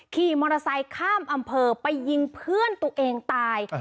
ขี่มอเตอร์ไซค์ข้ามอำเภอไปยิงเพื่อนตัวเองตาย